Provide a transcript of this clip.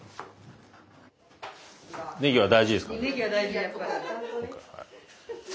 ねぎは大事ですから。